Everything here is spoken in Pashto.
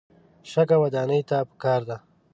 شګه ودانۍ ته پکار ده.